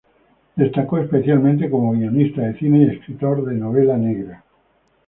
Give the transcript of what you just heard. Destacó especialmente como guionista de cine y escritor de novela negra.